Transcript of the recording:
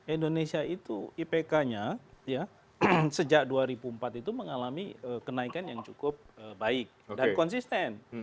indonesia itu ipk nya sejak dua ribu empat itu mengalami kenaikan yang cukup baik dan konsisten